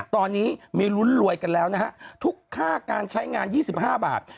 ตอนนี้มีลุ้นรวยกันแล้วนะฮะทุกค่าการใช้งาน๒๕บาท